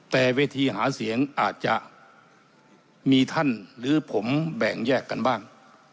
แต่เวทีหาเสียงอาจจะมีท่านหรือผมแบ่งแยกกันบ้าง